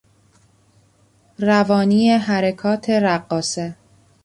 روانی حرکات رقاصه